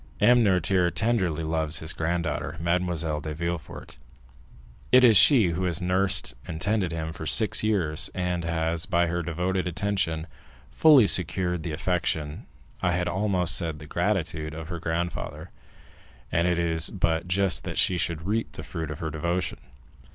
M. Noirtier tenderly loves his granddaughter, Mademoiselle de Villefort; it is she who has nursed and tended him for six years, and has, by her devoted attention, fully secured the affection, I had almost said the gratitude, of her grandfather, and it is but just that she should reap the fruit of her devotion."